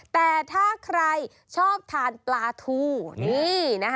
แต่ถ้าใครชอบทานปลาทูนี่นะคะ